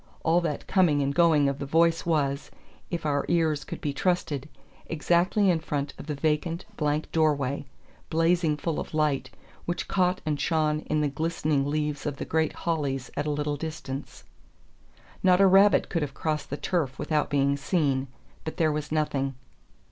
All that coming and going of the voice was, if our ears could be trusted, exactly in front of the vacant, blank door way, blazing full of light, which caught and shone in the glistening leaves of the great hollies at a little distance. Not a rabbit could have crossed the turf without being seen; but there was nothing.